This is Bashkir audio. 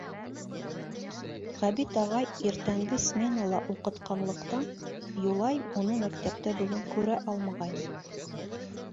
Ғәбит ағай иртәнге сменала уҡытҡанлыҡтан, Юлай уны мәктәптә бөгөн күрә алмағайны.